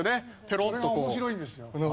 それが面白いんですよ。